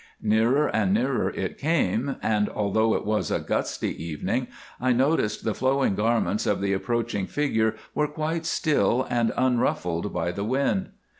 Nearer and nearer it came, and although it was a gusty evening, I noticed the flowing garments of the approaching figure were quite still and unruffled by the wind.